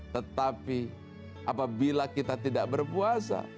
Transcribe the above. tetapi apabila kita tidak berpuasa